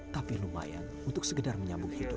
tapi lumayan untuk segedar menyambung hidup